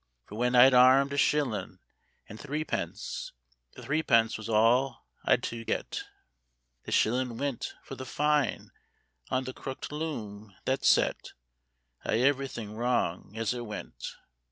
For whin I'd arned a shillin' an' threepence, the threepence was all I'd to get; The shillin' wint for the fine on the crucked loom that'd set Iverything wrong as it wint.